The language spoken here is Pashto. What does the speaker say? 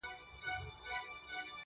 څو دوکانه څه رختونه څه مالونه؛